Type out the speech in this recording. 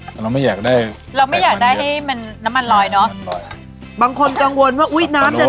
แต่เราไม่อยากได้เราไม่อยากได้ให้มันน้ำมันลอยเนอะบางคนกังวลว่าอุ้ยน้ำจะ